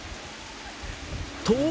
と